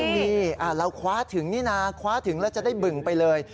นี่เราคว้าถึงนี่นะคว้าถึงแล้วจะได้บึงไปเลย